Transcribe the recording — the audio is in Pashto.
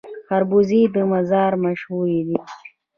خربوزې د مزار مشهورې دي